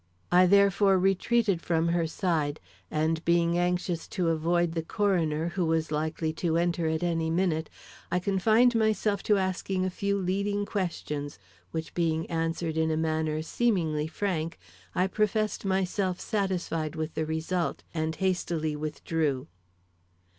I therefore retreated from her side, and being anxious to avoid the coroner, who was likely to enter at any minute, I confined myself to asking a few leading questions, which being answered in a manner seemingly frank, I professed myself satisfied with the result, and hastily withdrew.